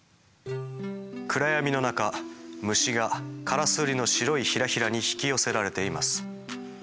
暗闇の中虫がカラスウリの白いひらひらに引き寄せられています。